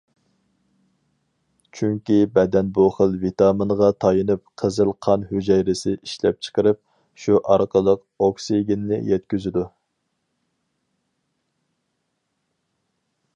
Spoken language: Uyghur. چۈنكى بەدەن بۇ خىل ۋىتامىنغا تايىنىپ، قىزىل قان ھۈجەيرىسى ئىشلەپچىقىرىپ، شۇ ئارقىلىق ئوكسىگېننى يەتكۈزىدۇ.